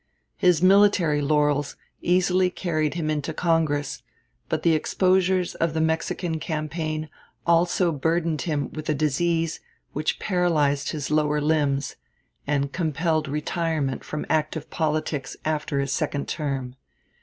His military laurels easily carried him into Congress; but the exposures of the Mexican campaign also burdened him with a disease which paralyzed his lower limbs, and compelled retirement from active politics after his second term.